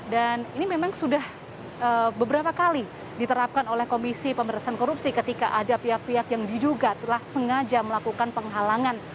dan ini memang sudah beberapa kali diterapkan oleh komisi pemberhentian korupsi ketika ada pihak pihak yang diduga telah sengaja melakukan penghalangan